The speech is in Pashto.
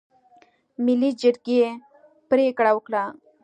ملي جرګې پرېکړه وکړه.